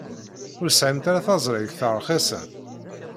Ur tesɛimt ara taẓrigt rxisen?